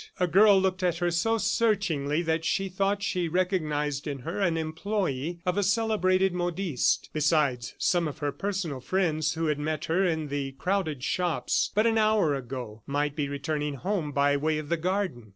A girl looked at her so searchingly that she thought she recognized in her an employee of a celebrated modiste. Besides, some of her personal friends who had met her in the crowded shops but an hour ago might be returning home by way of the garden.